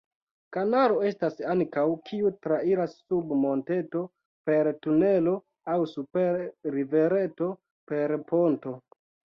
Kanalo estas ankaŭ, kiu trairas sub monteto per tunelo aŭ super rivereto per ponto.